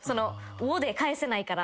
「を」で返せないから。